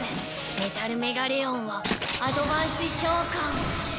メタル・メガレオンをアドバンス召喚。